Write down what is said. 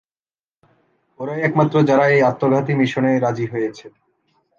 নাহ, ওরাই একমাত্র যারা এই আত্মঘাতী মিশনে রাজি হয়েছে।